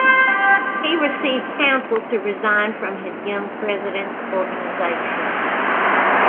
He received counsel to resign from his Young Presidents Organization.